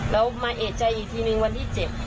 แล้วมาเอกใจอีกทีนึงวันที่๗